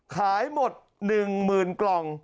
ขายหมด๑๐๐๐กล่อง